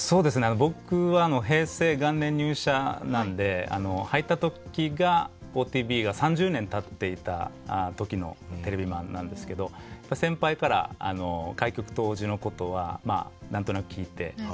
僕は平成元年入社なんで入った時がＯＴＶが３０年たっていた時のテレビマンなんですけど先輩から開局当時のことは何となく聞いて。